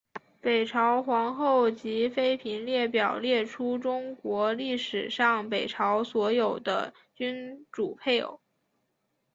北朝皇后及妃嫔列表列出中国历史上北朝所有的君主配偶。